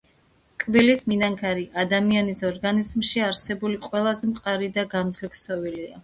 კბილის მინანქარი ადამიანის ორგანიზმში არსებული ყველაზე მყარი და გამძლე ქსოვილია.